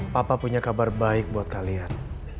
papa punya kabar baik buat kalian